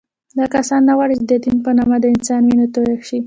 دا کسان نه غواړي چې د دین په نامه د انسان وینه تویه شي